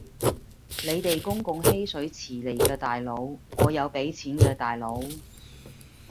你哋公共嬉水池嚟㗎大佬，我有俾錢㗎大佬